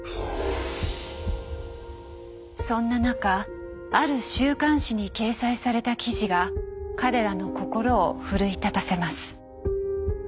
そんな中ある週刊誌に掲載された記事が彼らの心を奮い立たせます。